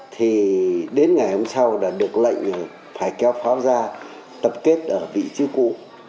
thì đến ngày hôm sau đã được lệnh phải kéo pháo ra tập kết ở vị trí cũ